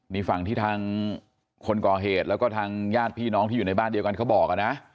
นี่ฝั่งที่ทางคนก่อเหตุแล้วก็ทางญาติพี่น้องที่อยู่ในบ้านเดียวกันเขาบอกนะ